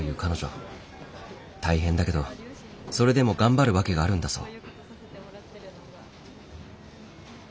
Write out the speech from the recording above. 大変だけどそれでも頑張る訳があるんだそう。